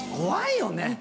怖いよね！